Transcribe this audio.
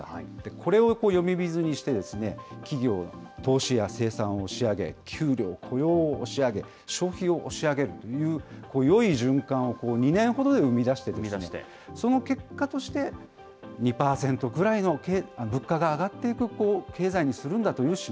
これを呼び水にして、企業の投資や生産を押し上げ、給料、雇用を押し上げ、消費を押し上げるというよい循環を２年ほどで生み出し、その結果として、２％ぐらいの物価が上がっていく経済にするんだというシ